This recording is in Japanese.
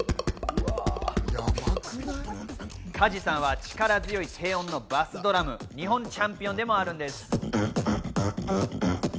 ＫＡＪＩさんは力強い低音のバスドラム、日本チャンピオンでもあります。